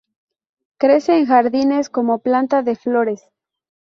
Crece en jardines como planta de flores.